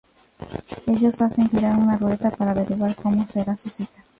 Ellos hacen girar una ruleta para averiguar como será su cita.